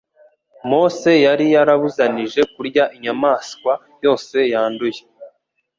Mose yari yarabuzanije kurya inyamaswa yose yanduye.